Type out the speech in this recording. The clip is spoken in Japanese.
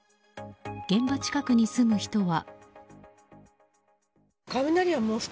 現場近くに住む人は。